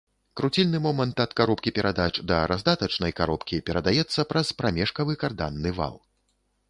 Круцільны момант ад каробкі перадач да раздатачнай каробкі перадаецца праз прамежкавы карданны вал.